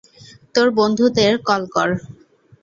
তোর, বন্ধুদের কল কর।